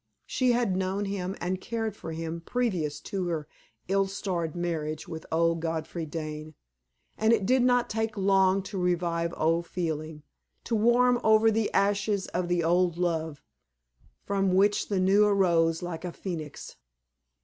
She had known him and cared for him previous to her ill starred marriage with old Godfrey Dane, and it did not take long to revive old feeling, to warm over the ashes of the old love, from which the new arose like a phenix.